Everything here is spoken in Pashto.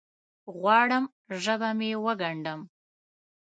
غواړم ژبه مې وګنډم